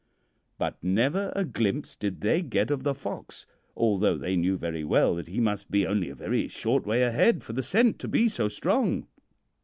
"But never a glimpse did they get of the fox, although they knew very well that he must be only a very short way ahead for the scent to be so strong.